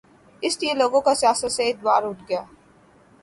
اس لیے لوگوں کا سیاست سے اعتبار اٹھ گیا۔